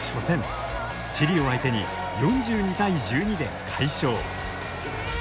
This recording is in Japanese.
チリを相手に４２対１２で快勝。